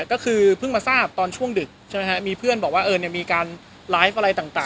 ก็คือเพิ่งมาทราบตอนช่วงดึกใช่ไหมฮะมีเพื่อนบอกว่ามีการไลฟ์อะไรต่าง